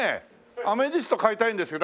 アメジスト買いたいんですけどあれ